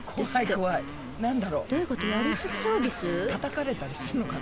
叩かれたりするのかな？